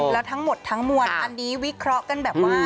แล้วทั้งหมดทั้งมวลอันนี้วิเคราะห์กันแบบว่า